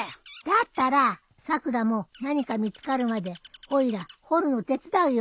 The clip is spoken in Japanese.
だったらさくらも何か見つかるまでおいら掘るの手伝うよ。